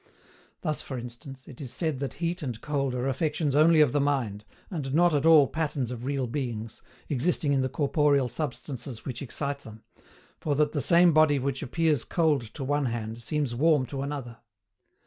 Thus, for instance, it is said that heat and cold are affections only of the mind, and not at all patterns of real beings, existing in the corporeal substances which excite them, for that the same body which appears cold to one hand seems warm to another.